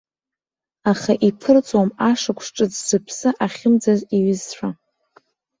Аха иԥырҵуам ашықәс ҿыц зыԥсы ахьымӡаз иҩызцәа.